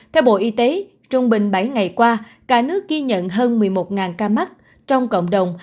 theo bộ y tế trung bình bảy ngày qua cả nước ghi nhận hơn một mươi một ca mắc trong cộng đồng